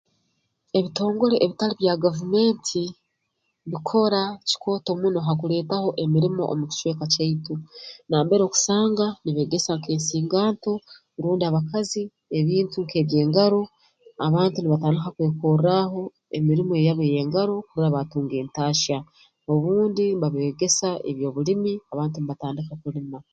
Ebitongole ebitali bya gavument bikora kikooto muno ha kuleetaho emirimo omu kicweka kyaitu nambere okusanga nibeegesa nk'ensinganto rundi abakazi ebintu nk'eby'engaro abantu nibatandika kwekorraaho emirimo yabo ey'engaro kurora baatunga entaahya obundi mbabeegesa eby'obulimi abantu mbatandika kulima